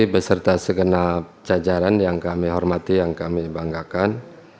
beserta segenap jajaran yang kami hormati yang kami banggakan